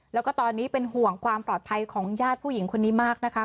แล้วก็ตอนนี้เป็นห่วงความปลอดภัยของญาติผู้หญิงคนนี้มากนะคะ